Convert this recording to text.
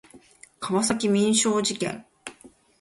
川崎民商事件